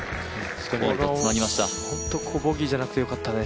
本当、ここボギーじゃなくてよかったね。